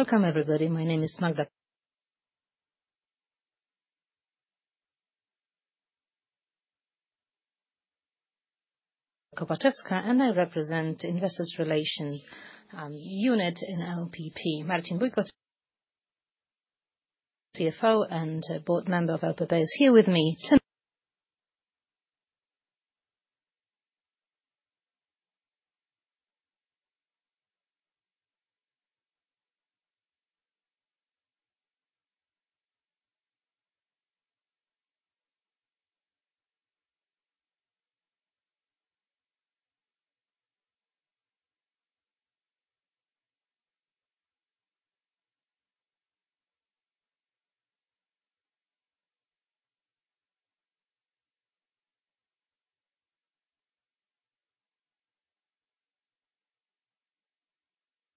Welcome, everybody. My name is Magdalena Kopaczewska, and I represent Investor Relations Unit in LPP. Marcin Bójko, CFO and Board Member of LPP, is here with me. Hi,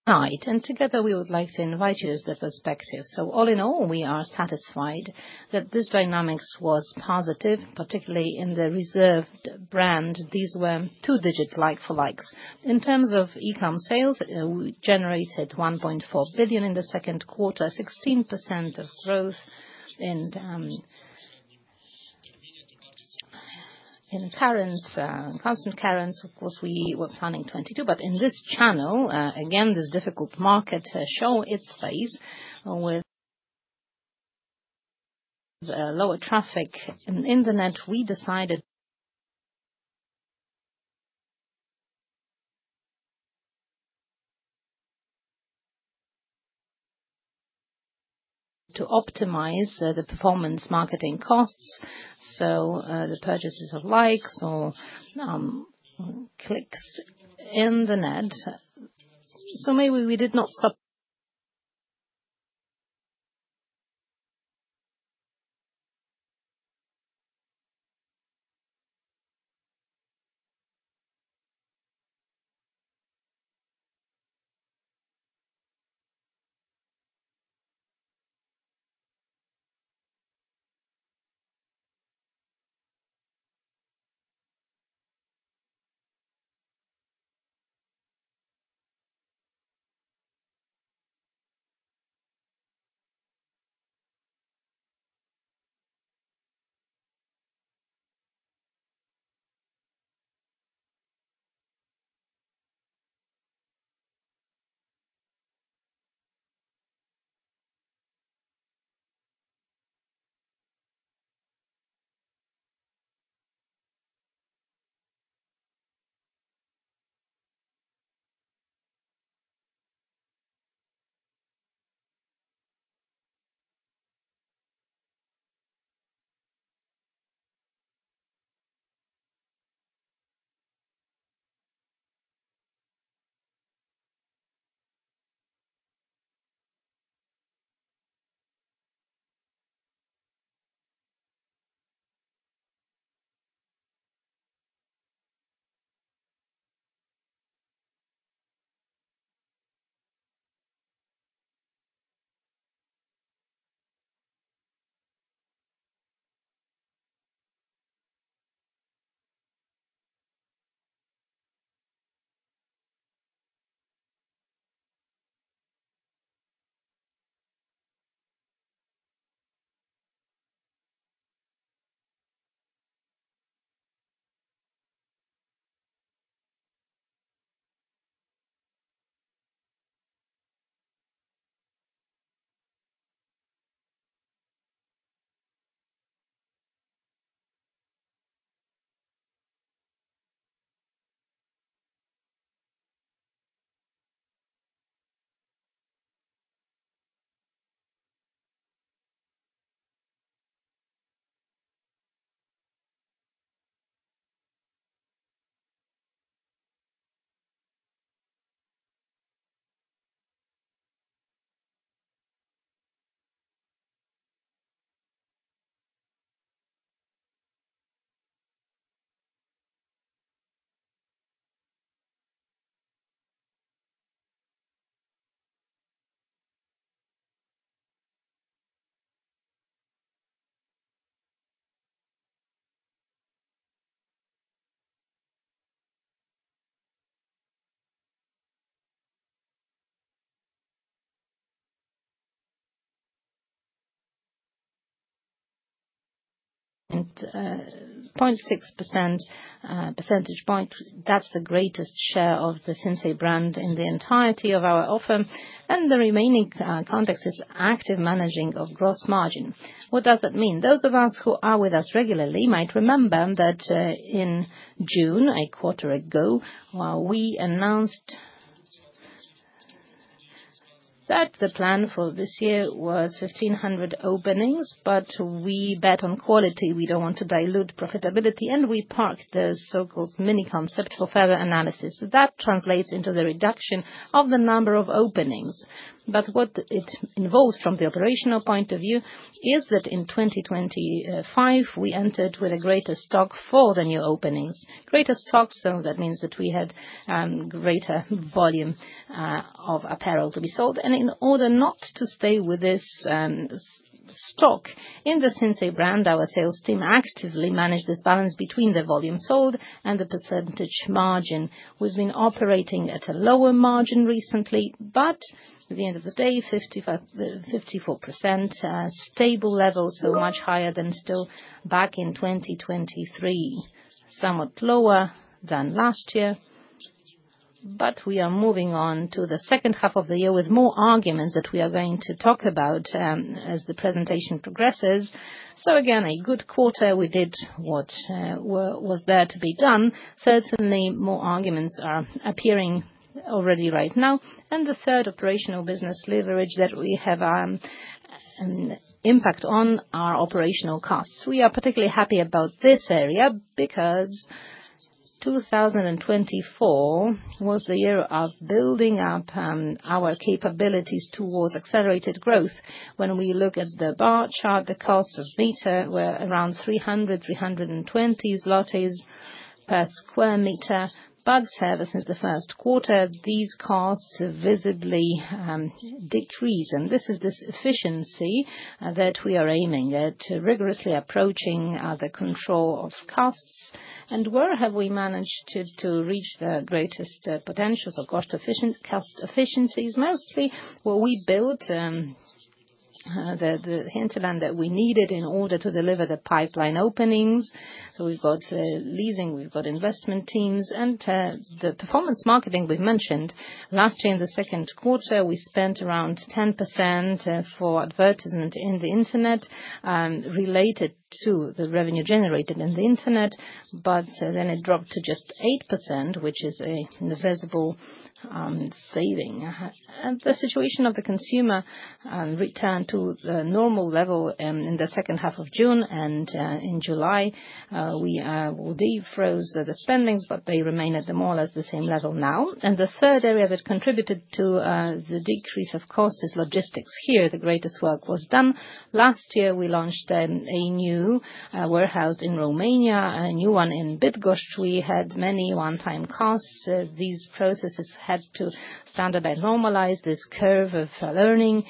and together we would like to invite you as the prospective. All in all, we are satisfied that this dynamics was positive, particularly in the Reserved brand. These were two-digit like-for-likes. In terms of e-com sales, we generated 1.4 billion in the second quarter, 16% growth, and in currencies, constant currencies, of course, we were planning 22%. But in this channel, again, this difficult market showed its face with lower traffic. In the net, we decided to optimize the performance marketing costs, so the purchases of likes or clicks in the net. So maybe we did not. At 0.6 percentage point, that's the greatest share of the Sinsay brand in the entirety of our offer, and the remaining context is active managing of gross margin. What does that mean? Those of us who are with us regularly might remember that in June, a quarter ago, we announced that the plan for this year was 1,500 openings, but we bet on quality. We don't want to dilute profitability, and we parked the so-called mini concept for further analysis. That translates into the reduction of the number of openings. But what it involves from the operational point of view is that in 2025, we entered with a greater stock for the new openings. Greater stock, so that means that we had greater volume of apparel to be sold. In order not to stay with this stock in the Sinsay brand, our sales team actively managed this balance between the volume sold and the percentage margin. We've been operating at a lower margin recently, but at the end of the day, 54% stable level, so much higher than still back in 2023. Somewhat lower than last year, but we are moving on to the second half of the year with more arguments that we are going to talk about as the presentation progresses. Again, a good quarter, we did what was there to be done. Certainly, more arguments are appearing already right now. The third operational business leverage that we have an impact on are operational costs. We are particularly happy about this area because 2024 was the year of building up our capabilities towards accelerated growth. When we look at the bar chart, the cost per meter was around 300- 320 per square meter, but since the first quarter, these costs visibly decreased. This is the efficiency that we are aiming at rigorously approaching the control of costs. Where have we managed to reach the greatest potentials of cost efficiencies? Mostly what we built, the hinterland that we needed in order to deliver the pipeline openings, so we've got leasing, we've got investment teams, and the performance marketing we've mentioned. Last year, in the second quarter, we spent around 10% for advertisement in the internet related to the revenue generated in the internet, but then it dropped to just 8%, which is a visible saving. The situation of the consumer returned to the normal level in the second half of June, and in July, we defroze the spendings, but they remain at the more or less the same level now. And the third area that contributed to the decrease of cost is logistics. Here, the greatest work was done. Last year, we launched a new warehouse in Romania, a new one in Bydgoszcz. We had many one-time costs. These processes had to standardize, normalize this curve of learning,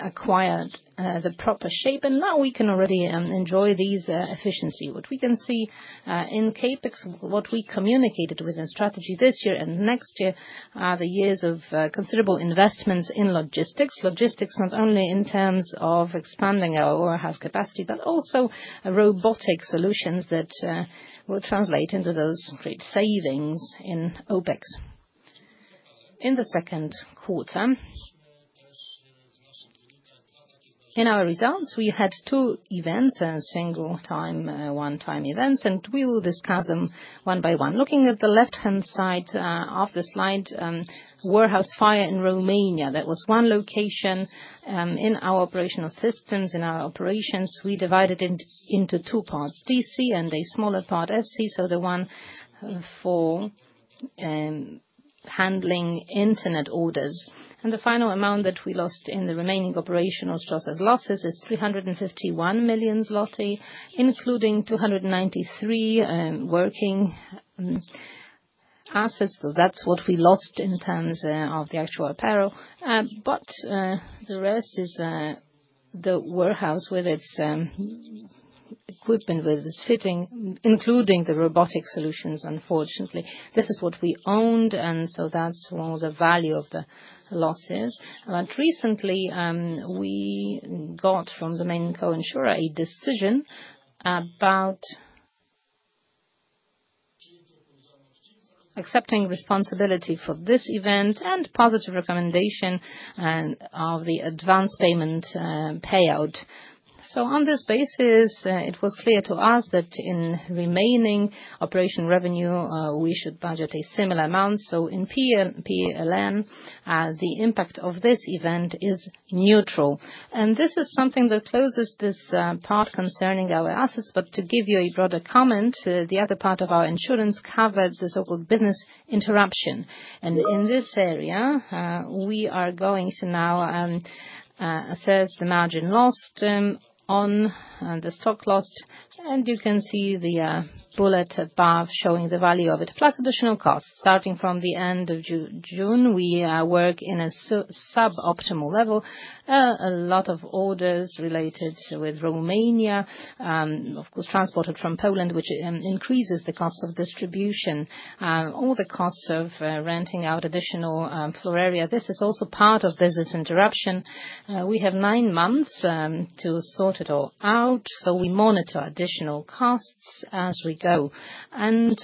acquired the proper shape, and now we can already enjoy these efficiencies. What we can see in CapEx, what we communicated within strategy this year and next year are the years of considerable investments in logistics. Logistics, not only in terms of expanding our warehouse capacity, but also robotic solutions that will translate into those great savings in OpEx. In the second quarter, in our results, we had two events, single-time, one-time events, and we will discuss them one by one. Looking at the left-hand side of the slide, warehouse fire in Romania, that was one location in our operational systems, in our operations. We divided it into two parts, DC and a smaller part, FC, so the one for handling internet orders. And the final amount that we lost in the remaining operational assets as losses is 351 million zloty, including 293 million working assets. That's what we lost in terms of the actual apparel, but the rest is the warehouse with its equipment, with its fitting, including the robotic solutions, unfortunately. This is what we owned, and so that's all the value of the losses. But recently, we got from the main co-insurer a decision about accepting responsibility for this event and positive recommendation of the advance payment payout. So on this basis, it was clear to us that in remaining operating revenue, we should budget a similar amount. So in PLN, the impact of this event is neutral. And this is something that closes this part concerning our assets, but to give you a broader comment, the other part of our insurance covered the so-called business interruption. And in this area, we are going to now assess the margin lost on the stock lost, and you can see the bullet above showing the value of it, plus additional costs. Starting from the end of June, we work in a sub-optimal level. A lot of orders related with Romania, of course, transported from Poland, which increases the cost of distribution, all the cost of renting out additional floor area. This is also part of business interruption. We have nine months to sort it all out, so we monitor additional costs as we go, and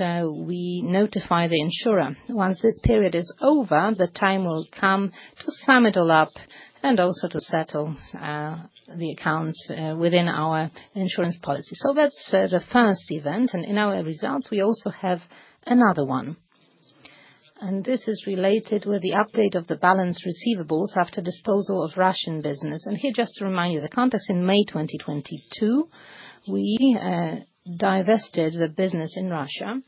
we notify the insurer. Once this period is over, the time will come to sum it all up and also to settle the accounts within our insurance policy. So that's the first event, and in our results, we also have another one. And this is related with the update of the balance receivables after disposal of Russian business. And here, just to remind you, the context in May 2022, we divested the business in Russia,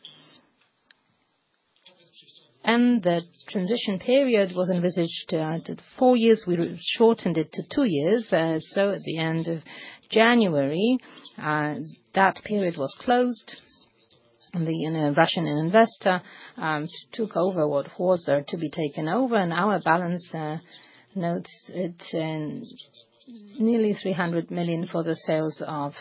and the transition period was envisaged at four years. We shortened it to two years. So at the end of January, that period was closed, and the Russian investor took over what was there to be taken over. And our balance notes it nearly 300 million for the sales of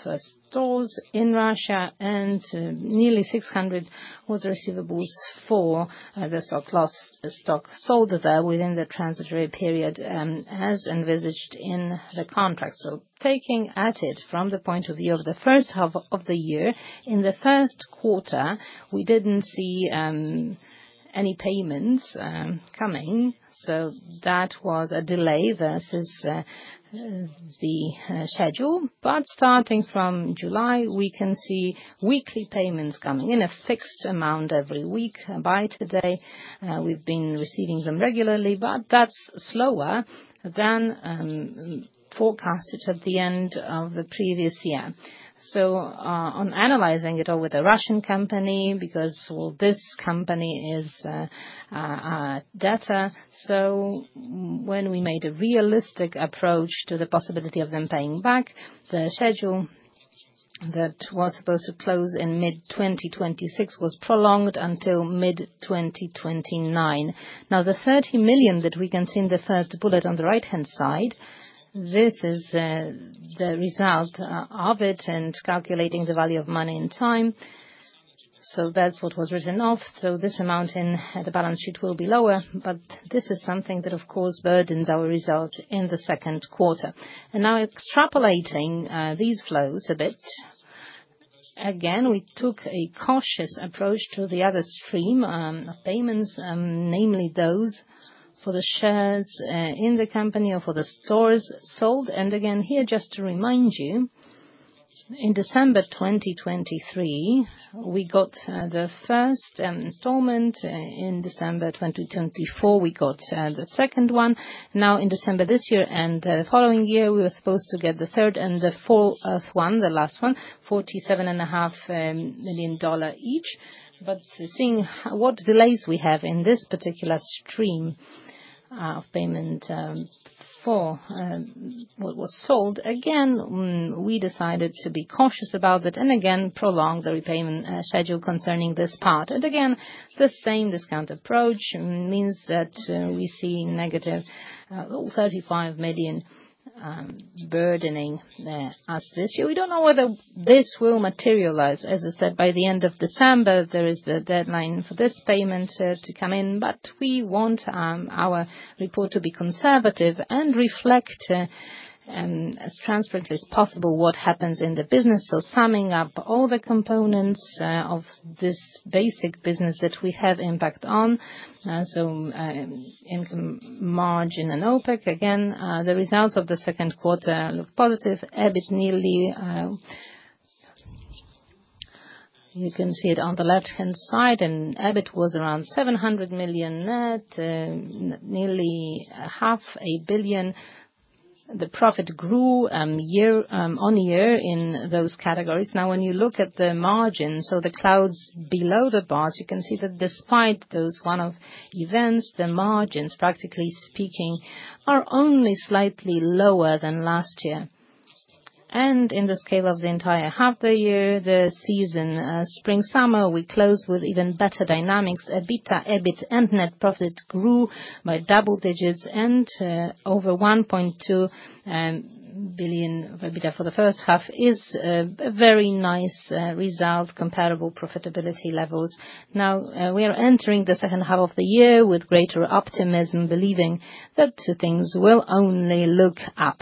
stores in Russia and nearly 600 was the receivables for the stock sold there within the transitory period as envisaged in the contract. So taking at it from the point of view of the first half of the year, in the first quarter, we didn't see any payments coming. So that was a delay versus the schedule. But starting from July, we can see weekly payments coming in a fixed amount every week. By today, we've been receiving them regularly, but that's slower than forecasted at the end of the previous year. So on analyzing it all with a Russian company, because this company is in debt, so when we made a realistic approach to the possibility of them paying back, the schedule that was supposed to close in mid-2026 was prolonged until mid-2029. Now, the 30 million that we can see in the first bullet on the right-hand side, this is the result of it and calculating the value of money in time. So that's what was written off. So this amount in the balance sheet will be lower, but this is something that, of course, burdens our result in the second quarter. And now extrapolating these flows a bit, again, we took a cautious approach to the other stream of payments, namely those for the shares in the company or for the stores sold. And again, here, just to remind you, in December 2023, we got the first installment. In December 2024, we got the second one. Now, in December this year and the following year, we were supposed to get the third and the fourth one, the last one, $47.5 million each, but seeing what delays we have in this particular stream of payment for what was sold, again, we decided to be cautious about that and again prolong the repayment schedule concerning this part, and again, the same discount approach means that we see -$35 million burdening us this year. We don't know whether this will materialize. As I said, by the end of December, there is the deadline for this payment to come in, but we want our report to be conservative and reflect as transparently as possible what happens in the business. Summing up all the components of this basic business that we have impact on, so income, margin, and OPEX, again, the results of the second quarter look positive. EBIT nearly, you can see it on the left-hand side, and EBIT was around 700 million net, nearly 500 million. The profit grew year on year in those categories. Now, when you look at the margins, so the clouds below the bars, you can see that despite those one-off events, the margins, practically speaking, are only slightly lower than last year. In the scale of the entire half the year, the season spring-summer, we closed with even better dynamics. EBITDA, EBIT, and net profit grew by double digits and over 1.2 billion EBITDA for the first half is a very nice result, comparable profitability levels. Now, we are entering the second half of the year with greater optimism, believing that things will only look up.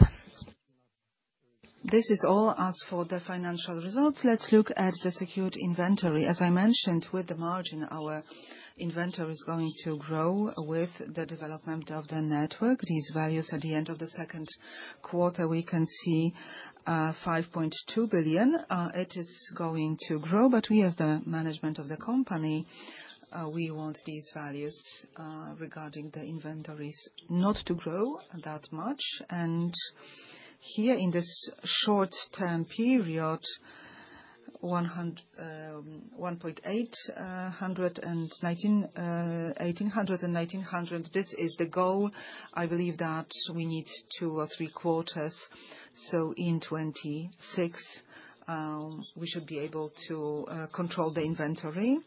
This is all from us for the financial results. Let's look at the secured inventory. As I mentioned, with the margin, our inventory is going to grow with the development of the network. These values at the end of the second quarter, we can see 5.2 billion. It is going to grow, but we, as the management of the company, we want these values regarding the inventories not to grow that much, and here, in this short-term period, 1,819, 1,800, 1,800, this is the goal. I believe that we need two or three quarters. So in 2026, we should be able to control the inventory.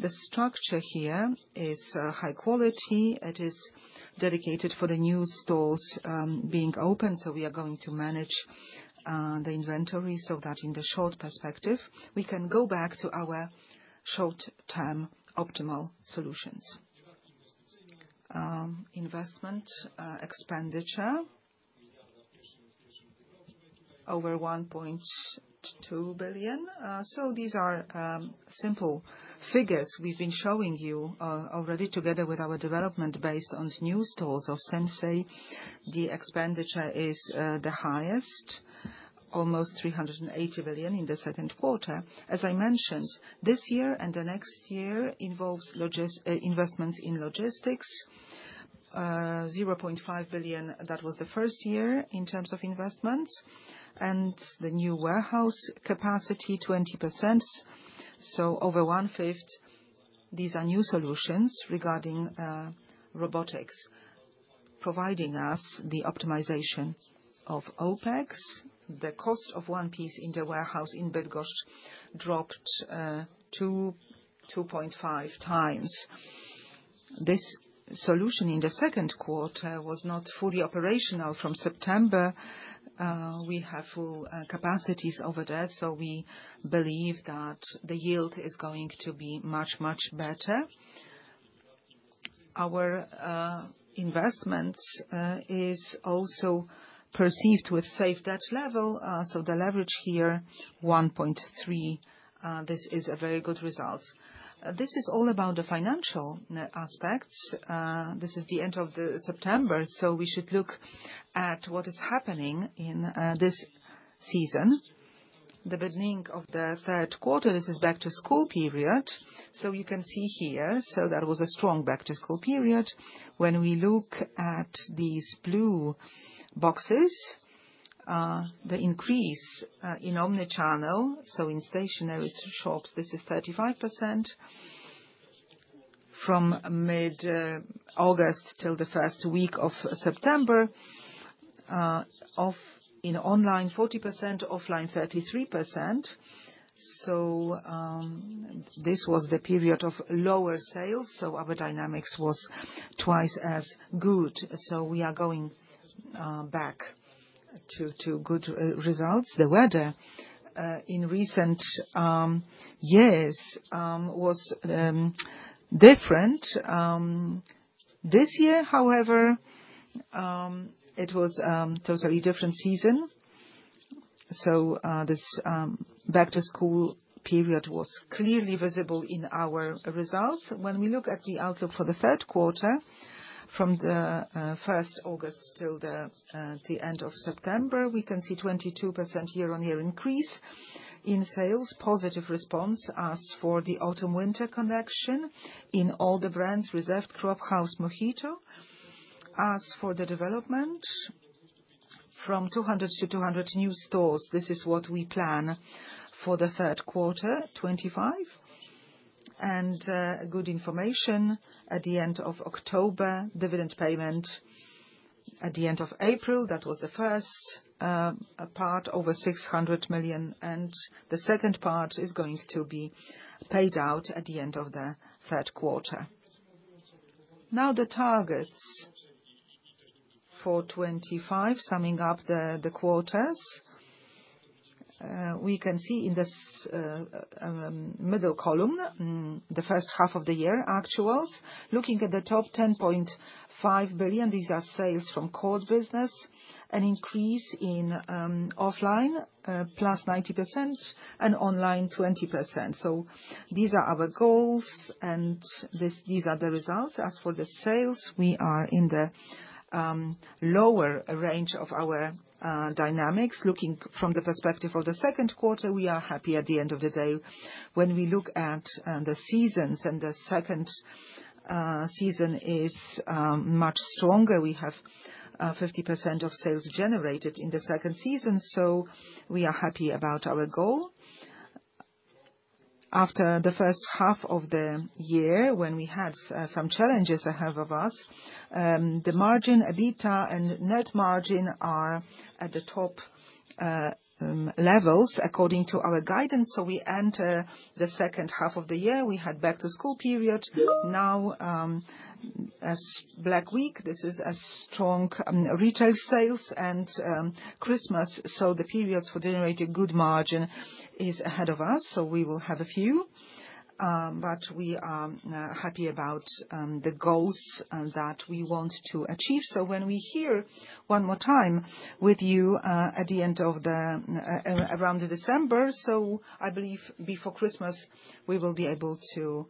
The structure here is high quality. It is dedicated for the new stores being open. So we are going to manage the inventory so that in the short perspective, we can go back to our short-term optimal solutions. Investment expenditure over 1.2 billion. So these are simple figures we've been showing you already together with our development based on new stores of Sinsay. The expenditure is the highest, almost 380 million in the second quarter. As I mentioned, this year and the next year involves investments in logistics, 0.5 billion. That was the first year in terms of investments. And the new warehouse capacity, 20%. So over one-fifth, these are new solutions regarding robotics, providing us the optimization of OPEX. The cost of one piece in the warehouse in Bydgoszcz dropped 2.5x. This solution in the second quarter was not fully operational. From September, we have full capacities over there. So we believe that the yield is going to be much, much better. Our investment is also perceived with safe debt level. So the leverage here, 1.3. This is a very good result. This is all about the financial aspects. This is the end of September, so we should look at what is happening in this season. The beginning of the third quarter, this is Back to School period. So you can see here, so that was a strong Back to School period. When we look at these blue boxes, the increase in omnichannel, so in stationary shops, this is 35% from mid-August till the first week of September, in online 40%, offline 33%. So this was the period of lower sales, so our dynamics was twice as good. So we are going back to good results. The weather in recent years was different. This year, however, it was a totally different season. So this Back to School period was clearly visible in our results. When we look at the outlook for the third quarter, from the first August till the end of September, we can see 22% year-on-year increase in sales. Positive response as for the autumn-winter collection in all the brands, Reserved, Cropp, House, Mohito. As for the development, from 200 to 200 new stores, this is what we plan for the third quarter, 25. And good information, at the end of October, dividend payment at the end of April. That was the first part, over 600 million PLN. And the second part is going to be paid out at the end of the third quarter. Now, the targets for 2025, summing up the quarters, we can see in the middle column, the first half of the year actuals. Looking at the top 10.5 billion, these are sales from core business, an increase in offline plus 90% and online 20%. So these are our goals, and these are the results. As for the sales, we are in the lower range of our dynamics. Looking from the perspective of the second quarter, we are happy at the end of the day. When we look at the seasons and the second season is much stronger. We have 50% of sales generated in the second season, so we are happy about our goal. After the first half of the year, when we had some challenges ahead of us, the margin, EBITDA, and net margin are at the top levels according to our guidance. So we enter the second half of the year. We had Back to School period. Now, Black Week. This is a strong retail sales and Christmas. So the periods for generating good margin is ahead of us, so we will have a few. But we are happy about the goals that we want to achieve. So when we meet one more time with you at the end of the year around December, so I believe before Christmas, we will be able to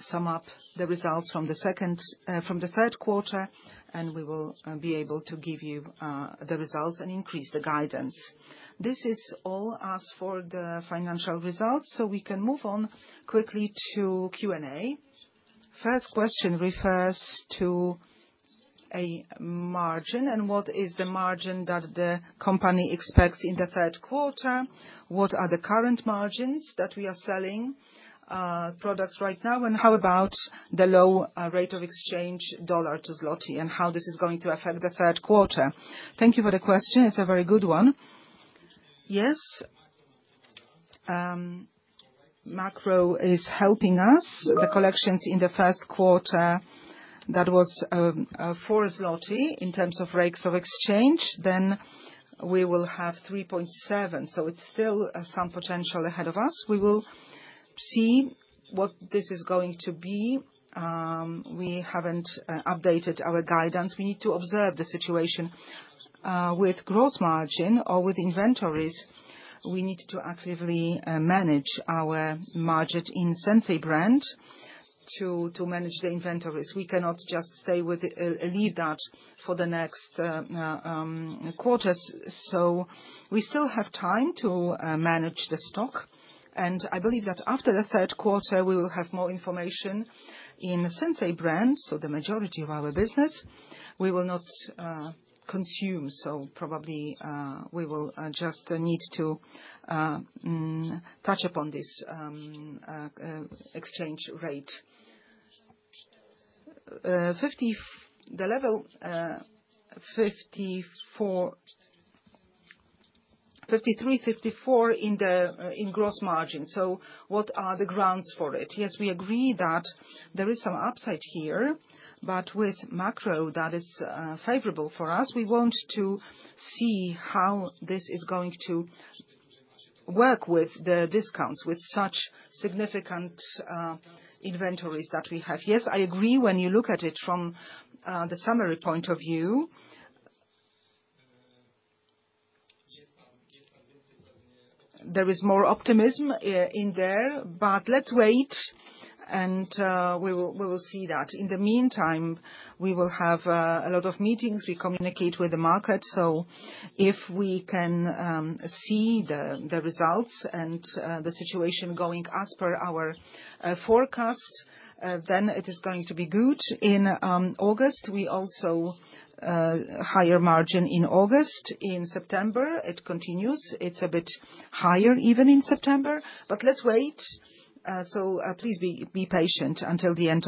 sum up the results from the third quarter, and we will be able to give you the results and increase the guidance. This is all from us for the financial results, so we can move on quickly to Q&A. First question refers to a margin and what is the margin that the company expects in the third quarter. What are the current margins that we are selling products right now? And how about the low rate of exchange dollar to zloty and how this is going to affect the third quarter? Thank you for the question. It's a very good one. Yes. Macro is helping us. The collections in the first quarter, that was four zloty in terms of rates of exchange, then we will have 3.7. So it's still some potential ahead of us. We will see what this is going to be. We haven't updated our guidance. We need to observe the situation with gross margin or with inventories. We need to actively manage our margin in Sinsay brand to manage the inventories. We cannot just stay and leave that for the next quarters. So we still have time to manage the stock. And I believe that after the third quarter, we will have more information in Sinsay brand, so the majority of our business. We will not comment, so probably we will just need to touch upon this exchange rate. The level 54, 53, 54 in gross margin. So what are the grounds for it? Yes, we agree that there is some upside here, but with macro that is favorable for us, we want to see how this is going to work with the discounts with such significant inventories that we have. Yes, I agree when you look at it from the summary point of view, there is more optimism in there, but let's wait and we will see that. In the meantime, we will have a lot of meetings. We communicate with the market. So if we can see the results and the situation going as per our forecast, then it is going to be good. In August, we also higher margin in August. In September, it continues. It's a bit higher even in September, but let's wait. So please be patient until the end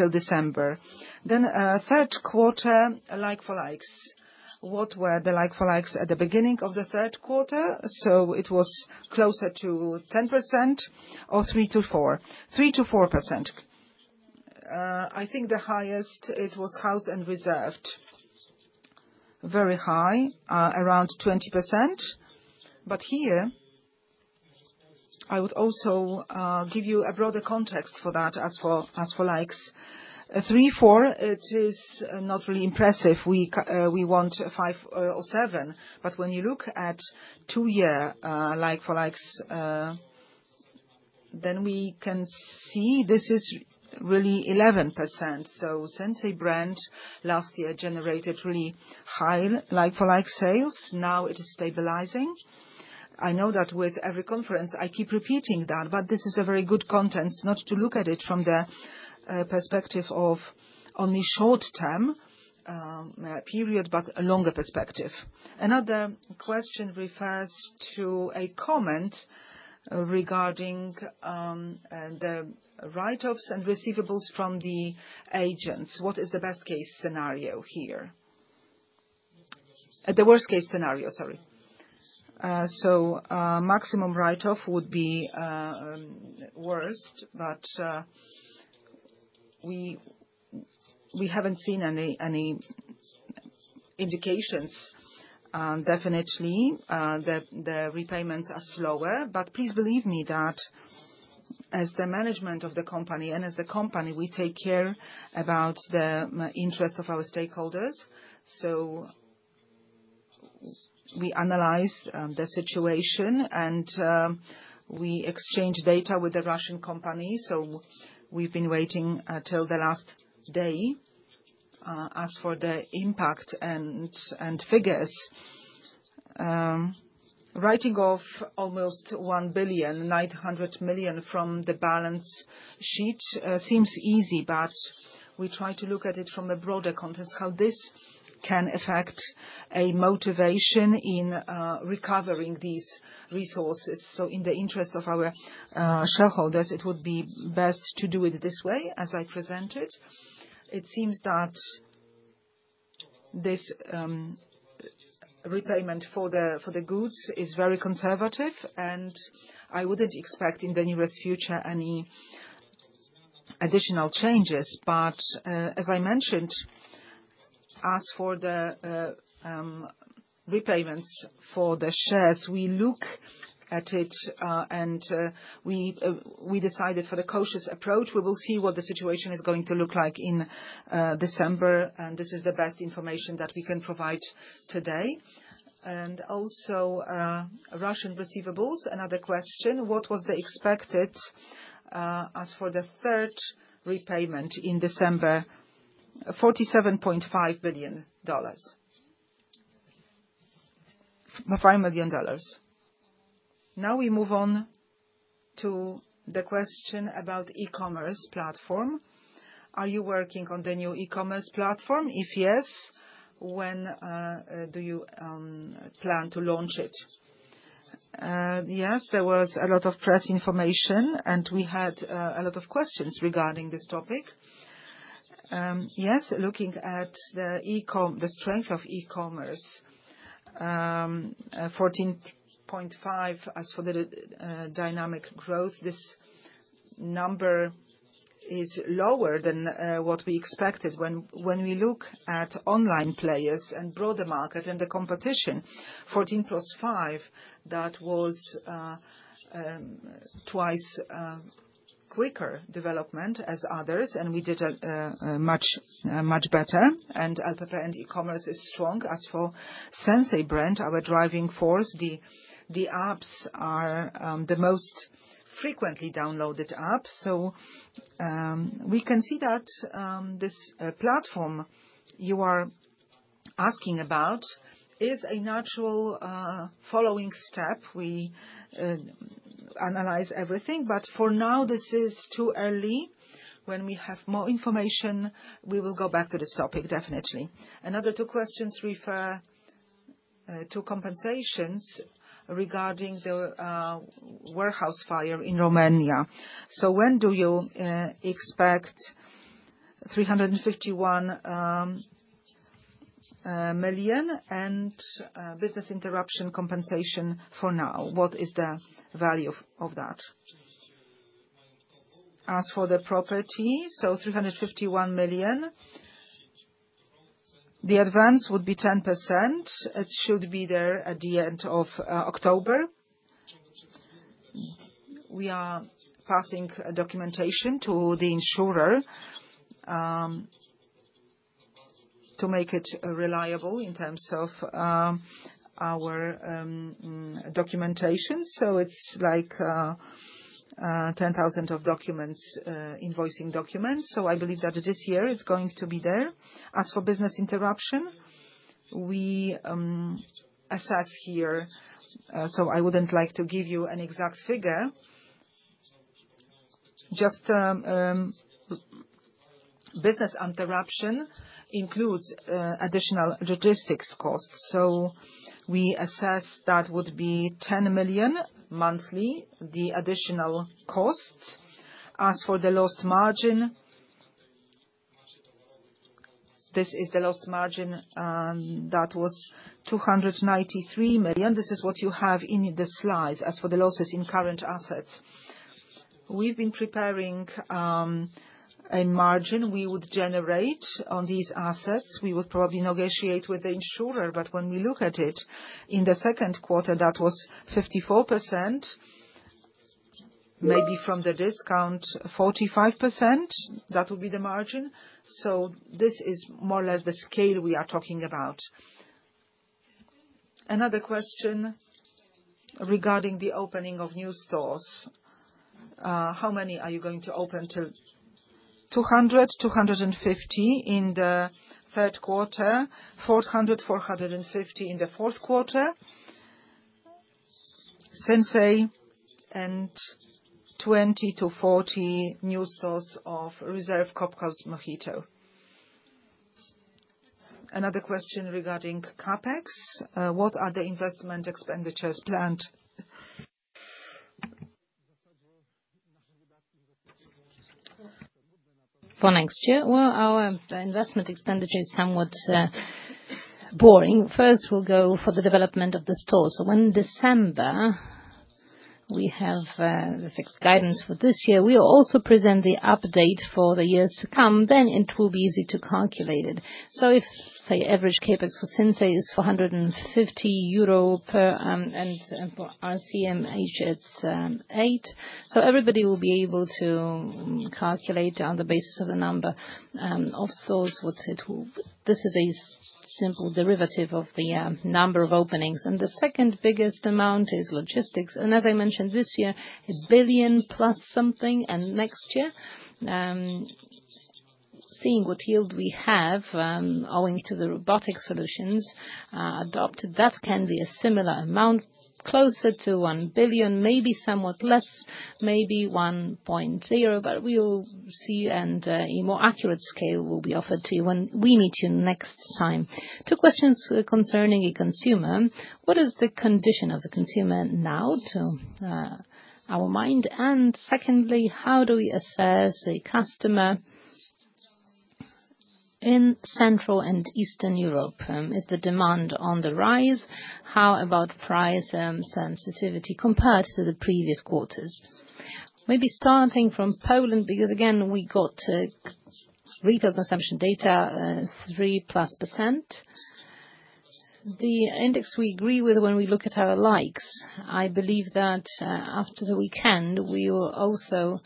of December. Then third quarter, like-for-likes. What were the like-for-likes at the beginning of the third quarter? It was closer to 10% or 3%-4%. I think the highest it was House and Reserved, very high, around 20%. But here, I would also give you a broader context for that as for like-for-likes. 3%-4%, it is not really impressive. We want 5% or 7%, but when you look at two-year like-for-likes, then we can see this is really 11%. Sinsay brand last year generated really high like-for-like sales. Now it is stabilizing. I know that with every conference, I keep repeating that, but this is a very good context not to look at it from the perspective of only short-term period, but a longer perspective. Another question refers to a comment regarding the write-offs and receivables from the agents. What is the best case scenario here? The worst case scenario, sorry. So maximum write-off would be worst, but we haven't seen any indications definitely that the repayments are slower. But please believe me that as the management of the company and as the company, we take care about the interest of our stakeholders. So we analyze the situation and we exchange data with the Russian company. So we've been waiting till the last day as for the impact and figures. Writing off almost 1.9 billion from the balance sheet seems easy, but we try to look at it from a broader context, how this can affect a motivation in recovering these resources. So in the interest of our shareholders, it would be best to do it this way as I presented. It seems that this repayment for the goods is very conservative, and I wouldn't expect in the nearest future any additional changes. But as I mentioned, as for the repayments for the shares, we look at it and we decided for the cautious approach. We will see what the situation is going to look like in December, and this is the best information that we can provide today. And also Russian receivables, another question, what was the expected as for the third repayment in December? $47.5 million. $5 million. Now we move on to the question about e-commerce platform. Are you working on the new e-commerce platform? If yes, when do you plan to launch it? Yes, there was a lot of press information and we had a lot of questions regarding this topic. Yes, looking at the strength of e-commerce, 14.5% as for the dynamic growth, this number is lower than what we expected. When we look at online players and broader market and the competition, 14% plus 5%, that was twice quicker development as others, and we did much better, and LPP and e-commerce is strong as for Sinsay brand, our driving force. The apps are the most frequently downloaded app. We can see that this platform you are asking about is a natural following step. We analyze everything, but for now, this is too early. When we have more information, we will go back to this topic, definitely. Another two questions refer to compensations regarding the warehouse fire in Romania. When do you expect 351 million PLN and business interruption compensation for now? What is the value of that? As for the property, so 351 million, the advance would be 10%. It should be there at the end of October. We are passing documentation to the insurer to make it reliable in terms of our documentation. So it's like 10,000 of documents, invoicing documents. So I believe that this year it's going to be there. As for business interruption, we assess here. So I wouldn't like to give you an exact figure. Just business interruption includes additional logistics costs. So we assess that would be 10 million monthly, the additional costs. As for the lost margin, this is the lost margin that was 293 million. This is what you have in the slides as for the losses in current assets. We've been preparing a margin we would generate on these assets. We would probably negotiate with the insurer, but when we look at it in the second quarter, that was 54%, maybe from the discount, 45%. That would be the margin. So this is more or less the scale we are talking about. Another question regarding the opening of new stores. How many are you going to open till? 200-250 in the third quarter, 400-450 in the fourth quarter, Sinsay and 20 to 40 new stores of Reserved, Cropp, Mohito. Another question regarding Capex. What are the investment expenditures planned? For next year, well, our investment expenditure is somewhat boring. First, we'll go for the development of the store. So when December, we have the fixed guidance for this year. We'll also present the update for the years to come, then it will be easy to calculate it. So if, say, average Capex for Sinsay is 450 euro per and for RCMH, it's 8. So everybody will be able to calculate on the basis of the number of stores what it will. This is a simple derivative of the number of openings. And the second biggest amount is logistics. And as I mentioned, this year, 1 billion plus something. And next year, seeing what yield we have owing to the robotic solutions adopted, that can be a similar amount, closer to 1 billion, maybe somewhat less, maybe 1.0 billion, but we will see and a more accurate scale will be offered to you when we meet you next time. Two questions concerning a consumer. What is the condition of the consumer now to our mind? And secondly, how do we assess a customer in Central and Eastern Europe? Is the demand on the rise? How about price sensitivity compared to the previous quarters? Maybe starting from Poland, because again, we got retail consumption data, 3+%. The index we agree with when we look at our likes. I believe that after the weekend, we will also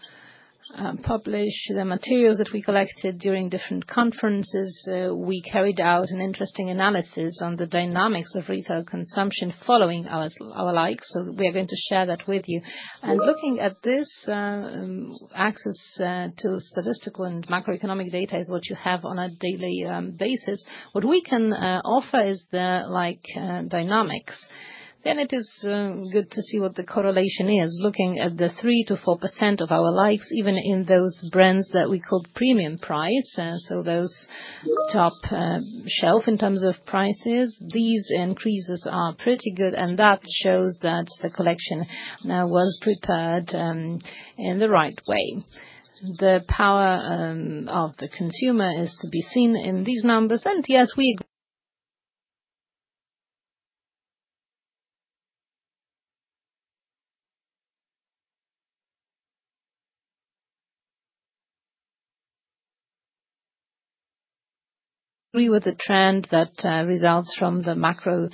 publish the materials that we collected during different conferences. We carried out an interesting analysis on the dynamics of retail consumption following our likes. So we are going to share that with you. And looking at this, access to statistical and macroeconomic data is what you have on a daily basis. What we can offer is the like dynamics. Then it is good to see what the correlation is, looking at the 3%-4% of our likes, even in those brands that we called premium price, so those top shelf in terms of prices. These increases are pretty good, and that shows that the collection was prepared in the right way. The power of the consumer is to be seen in these numbers. Yes, we agree with the trend that results from the macro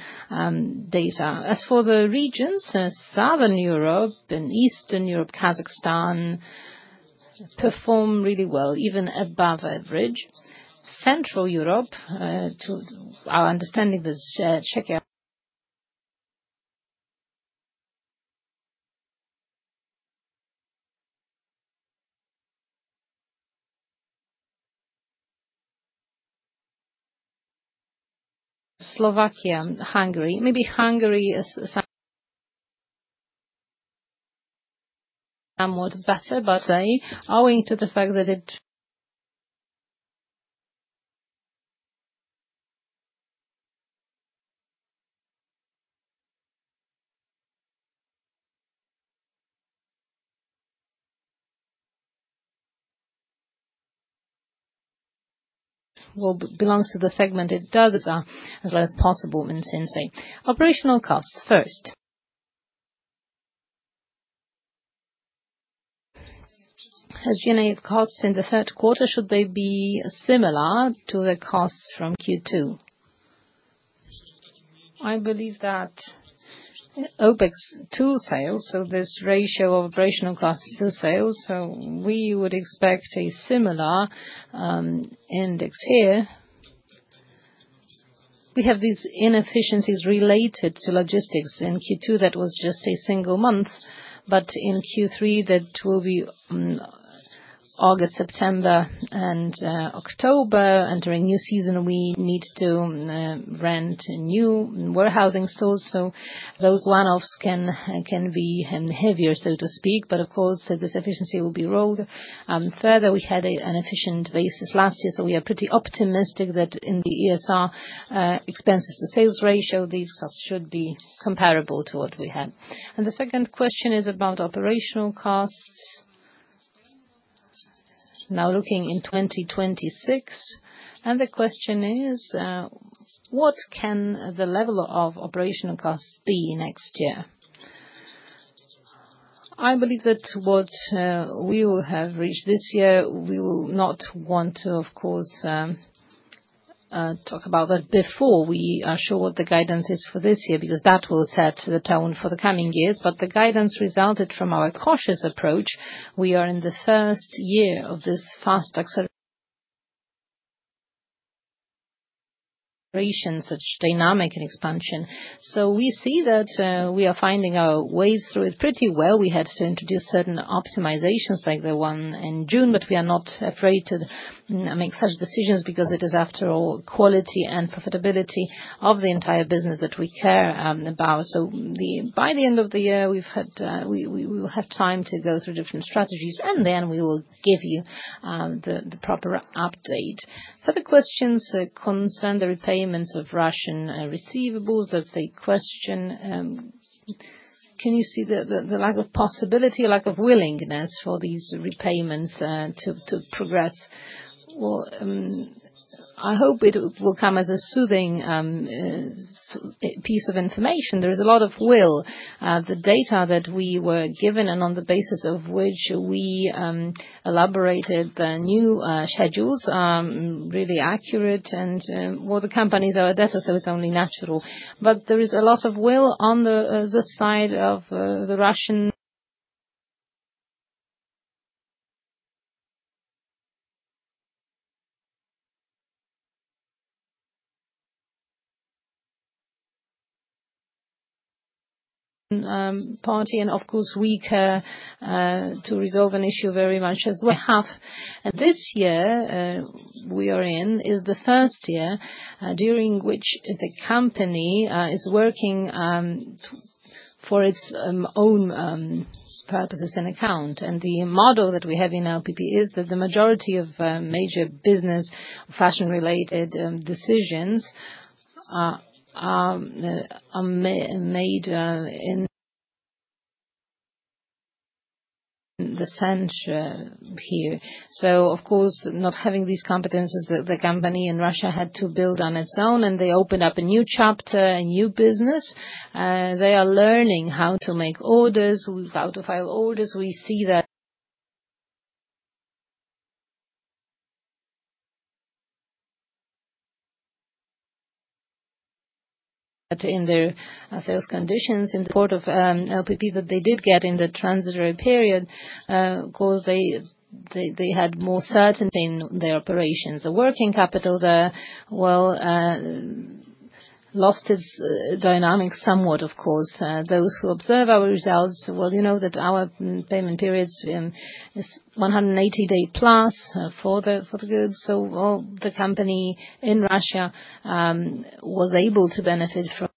data. As for the regions, Southern Europe and Eastern Europe, Kazakhstan perform really well, even above average. Central Europe, to our understanding, the Czech Republic, Slovakia, Hungary, maybe Hungary is somewhat better. Say owing to the fact that it belongs to the segment it does as well as possible in Sinsay. Operational costs first. Has G&A costs in the third quarter? Should they be similar to the costs from Q2? I believe that OPEX to sales, so this ratio of operational costs to sales, so we would expect a similar index here. We have these inefficiencies related to logistics. In Q2, that was just a single month, but in Q3, that will be August, September, and October, and during new season, we need to rent new warehousing stores, so those one-offs can be heavier, so to speak, but of course, this efficiency will be rolled further. We had an efficient basis last year, so we are pretty optimistic that in the ESR expenses to sales ratio, these costs should be comparable to what we had, and the second question is about operational costs. Now looking in 2026, and the question is, what can the level of operational costs be next year? I believe that what we will have reached this year, we will not want to, of course, talk about that before we are sure what the guidance is for this year, because that will set the tone for the coming years. But the guidance resulted from our cautious approach. We are in the first year of this fast acceleration, such dynamic and expansion. So we see that we are finding our ways through it pretty well. We had to introduce certain optimizations like the one in June, but we are not afraid to make such decisions because it is, after all, quality and profitability of the entire business that we care about. So by the end of the year, we will have time to go through different strategies, and then we will give you the proper update. Further questions concern the repayments of Russian receivables. That's a question. Can you see the lack of possibility, lack of willingness for these repayments to progress? Well, I hope it will come as a soothing piece of information. There is a lot of will. The data that we were given and on the basis of which we elaborated the new schedules are really accurate, and well, the company is our data, so it's only natural, but there is a lot of will on the side of the Russian party, and of course, we care to resolve an issue very much as well. This year we are in is the first year during which the company is working for its own purposes and account, and the model that we have in LPP is that the majority of major business fashion-related decisions are made in the center here, so of course, not having these competencies, the company in Russia had to build on its own, and they opened up a new chapter, a new business. They are learning how to make orders, how to file orders. We see that in their sales conditions in the part of LPP that they did get in the transitory period. Of course, they had more certainty in their operations. The working capital there well lost its dynamic somewhat, of course. Those who observe our results, well, you know that our payment period is 180 days plus for the goods. So the company in Russia was able to benefit from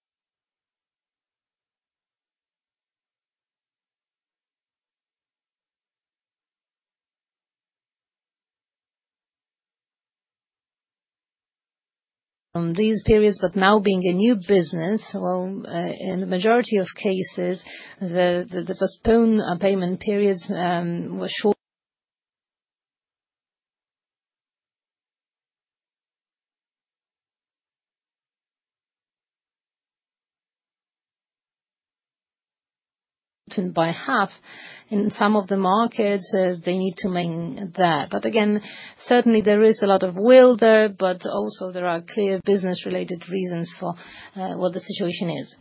these periods. But now being a new business, well, in the majority of cases, the postponed payment periods were shortened by half. In some of the markets, they need to make that. But again, certainly there is a lot of will there, but also there are clear business-related reasons for what the situation is.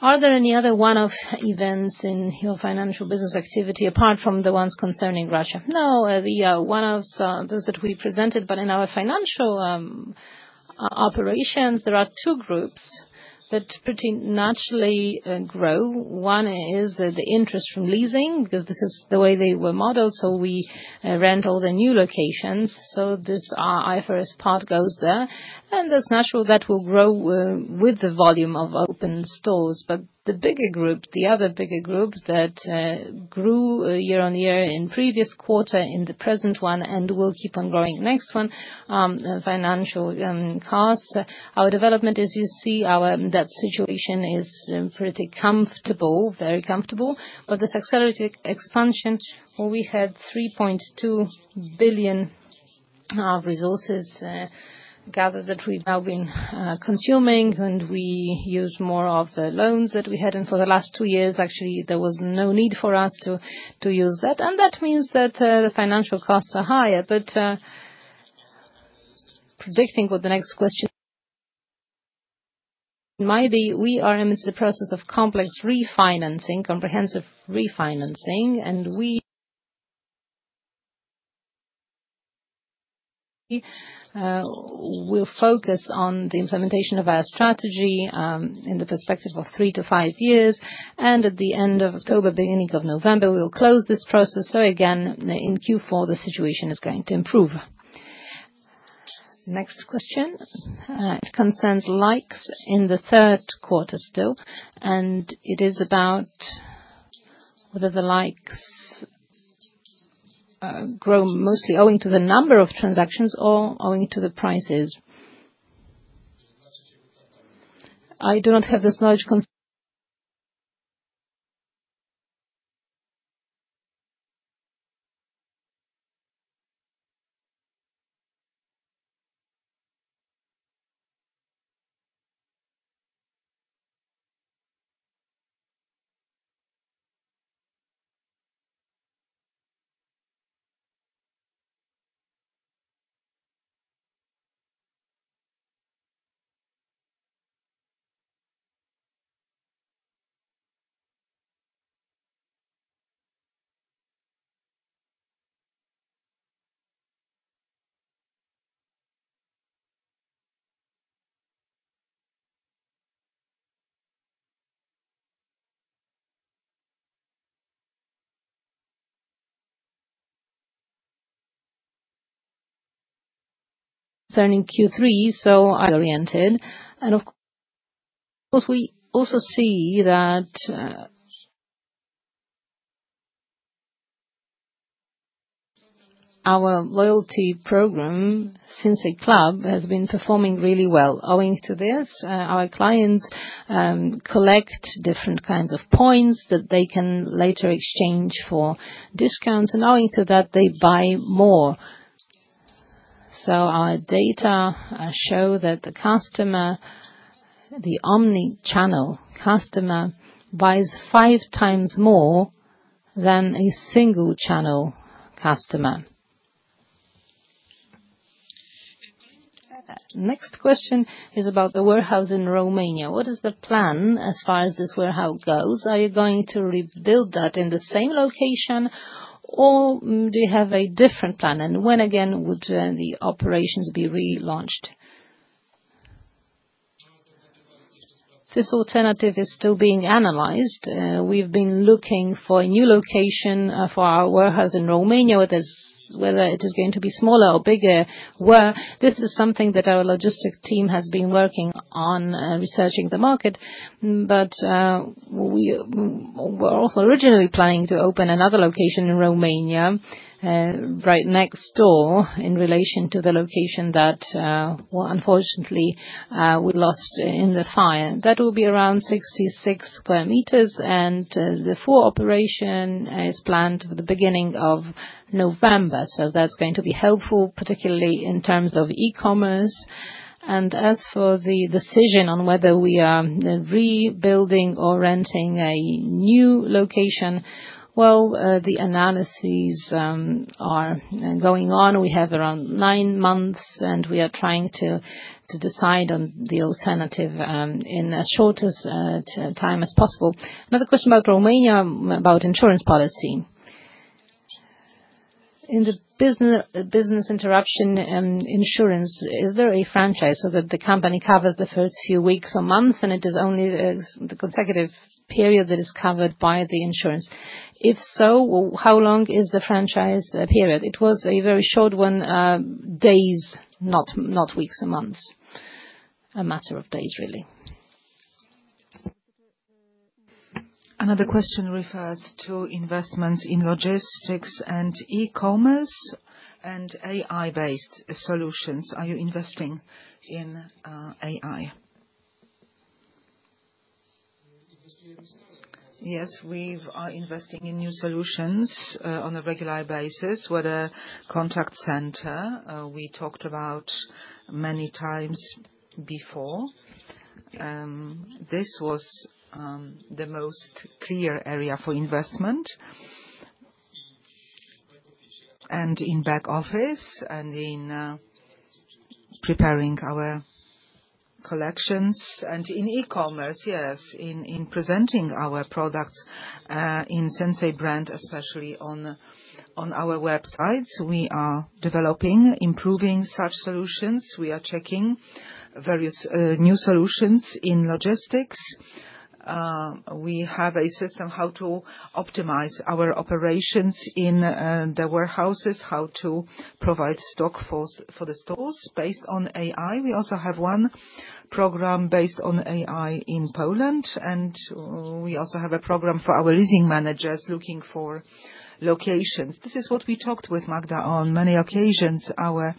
Are there any other one-off events in your financial business activity apart from the ones concerning Russia? No, there are one-offs of those that we presented. But in our financial operations, there are two groups that pretty naturally grow. One is the interest from leasing, because this is the way they were modeled. So we rent all the new locations. So this IFRS part goes there. And it's natural that will grow with the volume of open stores. But the bigger group, the other bigger group that grew year on year in previous quarter, in the present one, and will keep on growing next one, financial costs. Our development, as you see, that situation is pretty comfortable, very comfortable. But this accelerated expansion, we had 3.2 billion of resources gathered that we've now been consuming, and we use more of the loans that we had. And for the last two years, actually, there was no need for us to use that. And that means that the financial costs are higher. But predicting what the next question may be, we are in the process of complex refinancing, comprehensive refinancing. We will focus on the implementation of our strategy in the perspective of three to five years. At the end of October, beginning of November, we will close this process. In Q4, the situation is going to improve. Next question. It concerns like-for-likes in the third quarter still. It is about whether the like-for-likes grow mostly owing to the number of transactions or owing to the prices. I do not have this knowledge. Concerning Q3, Sinsay oriented. Of course, we also see that our loyalty program, Sinsay Club, has been performing really well. Owing to this, our clients collect different kinds of points that they can later exchange for discounts. Owing to that, they buy more. Our data show that the customer, the omnichannel customer, buys five times more than a single channel customer. Next question is about the warehouse in Romania. What is the plan as far as this warehouse goes? Are you going to rebuild that in the same location, or do you have a different plan? And when again would the operations be relaunched? This alternative is still being analyzed. We've been looking for a new location for our warehouse in Romania, whether it is going to be smaller or bigger. This is something that our logistics team has been working on, researching the market. But we were also originally planning to open another location in Romania, right next door, in relation to the location that, unfortunately, we lost in the fire. That will be around 66 square meters. And the full operation is planned for the beginning of November. That's going to be helpful, particularly in terms of e-commerce. As for the decision on whether we are rebuilding or renting a new location, well, the analyses are going on. We have around nine months, and we are trying to decide on the alternative in as short a time as possible. Another question about Romania, about insurance policy. In the business interruption insurance, is there a franchise so that the company covers the first few weeks or months, and it is only the consecutive period that is covered by the insurance? If so, how long is the franchise period? It was a very short one, days, not weeks or months, a matter of days, really. Another question refers to investments in logistics and e-commerce and AI-based solutions. Are you investing in AI? Yes, we are investing in new solutions on a regular basis, whether contact center. We talked about many times before. This was the most clear area for investment. And in back office and in preparing our collections. And in e-commerce, yes, in presenting our products in Sinsay brand, especially on our websites, we are developing, improving such solutions. We are checking various new solutions in logistics. We have a system how to optimize our operations in the warehouses, how to provide stock for the stores based on AI. We also have one program based on AI in Poland. And we also have a program for our leasing managers looking for locations. This is what we talked with Magda on many occasions. Our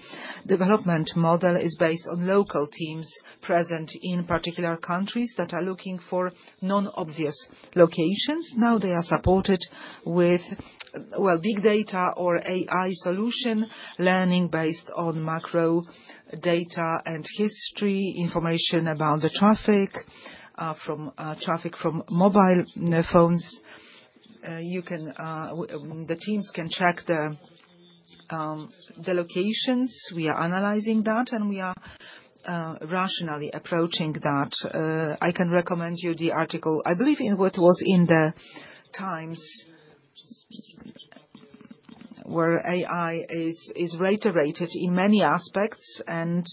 development model is based on local teams present in particular countries that are looking for non-obvious locations. Now they are supported with, well, big data or AI solution learning based on macro data and history, information about the traffic from mobile phones. The teams can check the locations. We are analyzing that, and we are rationally approaching that. I can recommend you the article, I believe, it was in The Times where AI is reiterated in many aspects, and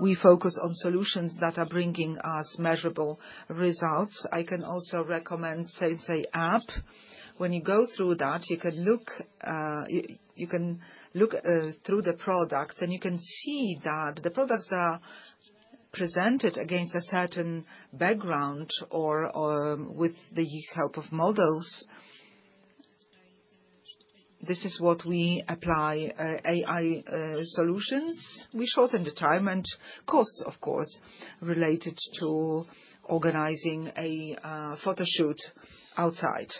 we focus on solutions that are bringing us measurable results. I can also recommend Sinsay app. When you go through that, you can look through the products, and you can see that the products are presented against a certain background or with the help of models. This is what we apply AI solutions. We shorten the time and costs, of course, related to organizing a photoshoot outside.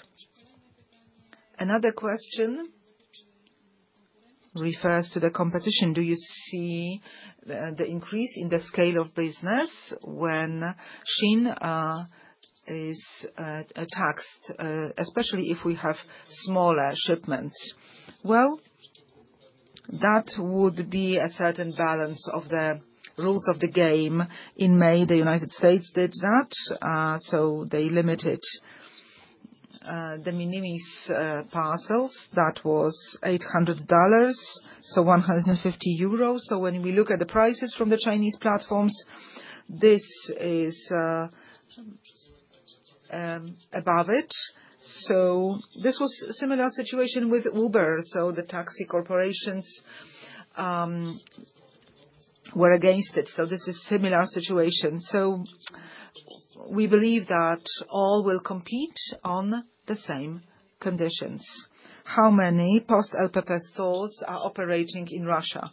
Another question refers to the competition. Do you see the increase in the scale of business when Shein is taxed, especially if we have smaller shipments? Well, that would be a certain balance of the rules of the game. In May, the United States did that. So they limited the de minimis parcels. That was $800, so 150 euros. So when we look at the prices from the Chinese platforms, this is above it. So this was a similar situation with Uber. So the taxi corporations were against it. So this is a similar situation. So we believe that all will compete on the same conditions. How many post-LPP stores are operating in Russia?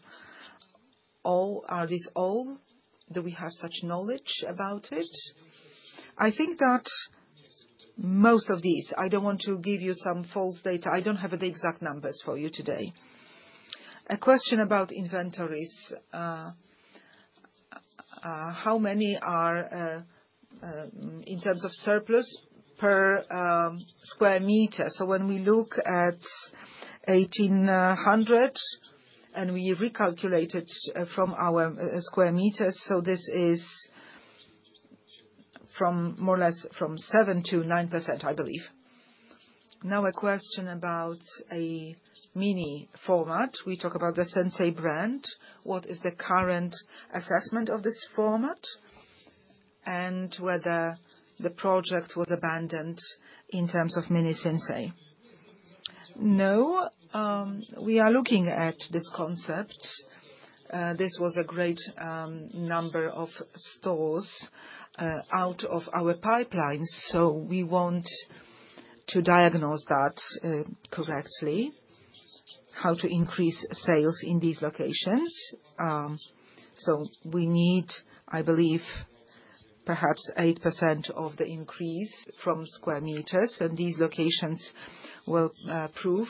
Are these all? Do we have such knowledge about it? I think that most of these. I don't want to give you some false data. I don't have the exact numbers for you today. A question about inventories. How many are in terms of surplus per square meter? So when we look at 1800 and we recalculate it from our square meters, so this is more or less 7%-9%, I believe. Now a question about a mini format. We talk about the Sinsay brand. What is the current assessment of this format and whether the project was abandoned in terms of mini Sinsay? No. We are looking at this concept. This was a great number of stores out of our pipeline. So we want to diagnose that correctly, how to increase sales in these locations. So we need, I believe, perhaps 8% of the increase from square meters. And these locations will prove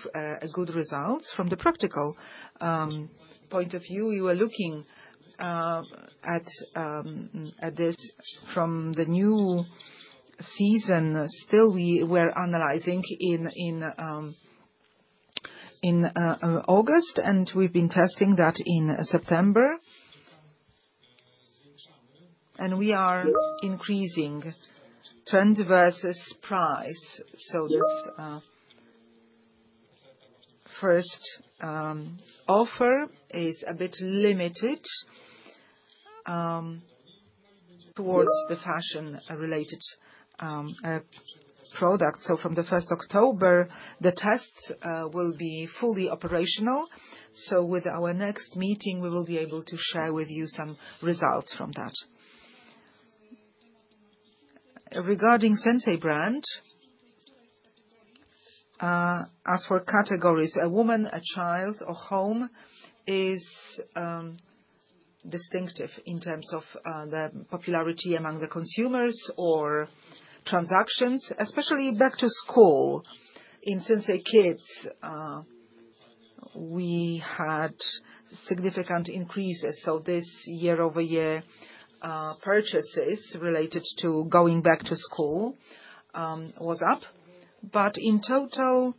good results. From the practical point of view, we were looking at this from the new season. Still, we were analyzing in August, and we've been testing that in September. And we are increasing trend versus price. So this first offer is a bit limited towards the fashion-related products. So from the 1st October, the tests will be fully operational. With our next meeting, we will be able to share with you some results from that. Regarding Sinsay brand, as for categories, a woman, a child, or home is distinctive in terms of the popularity among the consumers or transactions, especially Back to School. In Sinsay Kids, we had significant increases. This year-over-year purchases related to going back to school was up. In total,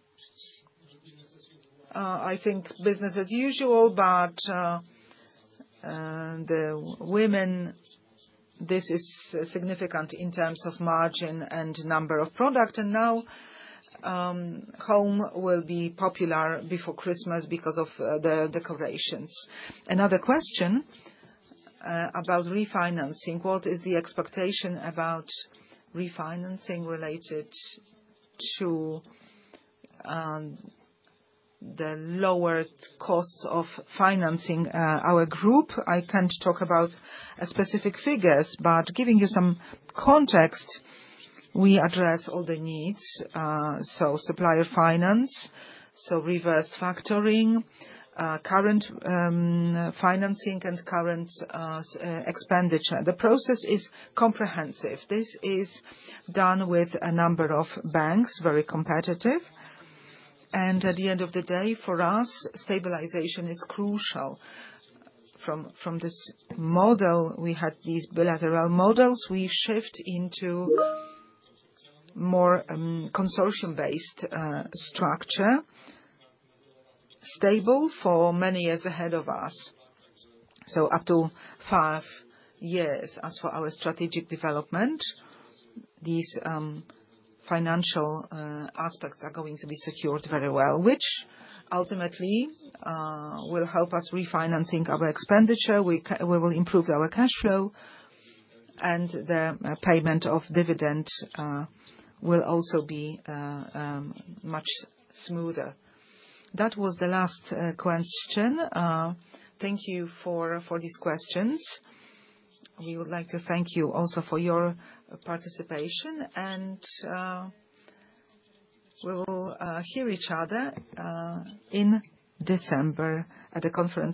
I think business as usual, but the women, this is significant in terms of margin and number of products. Now home will be popular before Christmas because of the decorations. Another question about refinancing. What is the expectation about refinancing related to the lowered costs of financing our group? I can't talk about specific figures, but, giving you some context, we address all the needs. Supplier finance, so reverse factoring, current financing, and current expenditure. The process is comprehensive. This is done with a number of banks, very competitive. And at the end of the day, for us, stabilization is crucial. From this model, we had these bilateral models. We shift into more consortium-based structure, stable for many years ahead of us. So up to five years as for our strategic development. These financial aspects are going to be secured very well, which ultimately will help us refinancing our expenditure. We will improve our cash flow, and the payment of dividend will also be much smoother. That was the last question. Thank you for these questions. We would like to thank you also for your participation, and we will hear each other in December at the conference.